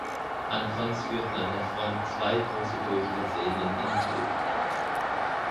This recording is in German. Anfangs führten an der Front zwei große Durchlässe in den Innenhof.